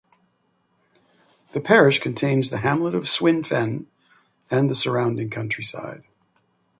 The parish contains the hamlet of Swinfen and the surrounding countryside.